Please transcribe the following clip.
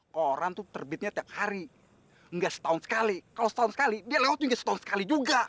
koran itu terbitnya tiap hari enggak setahun sekali kalau setahun sekali dia lewat juga setahun sekali juga